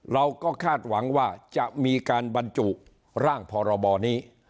เราก็คาดหวังว่าจะมีการบรรจุร่างพรบนี้